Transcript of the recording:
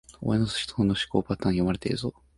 お前の思考パターン、読まれてるぞ